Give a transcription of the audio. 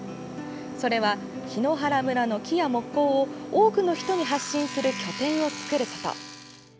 それは、檜原村の木や木工を多くの人に発信する拠点を作ること。